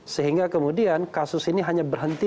sehingga kemudian kasus ini hanya berhenti